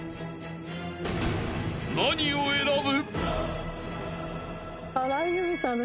［何を選ぶ？］